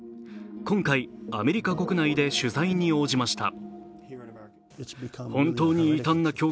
今回、アメリカ国内で取材に応じました。